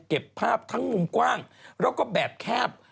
เก็บภาพทั้งมุมกว้างแล้วก็แบบแคบ